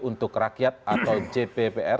untuk rakyat atau jppr